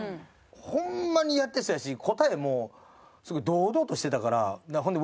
ホンマにやってそうやし答えもすごい堂々としてたから。